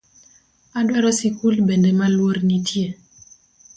Adwaro sikul bende maluor nitie